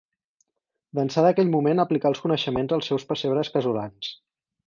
D'ençà d'aquell moment aplicà els coneixements als seus pessebres casolans.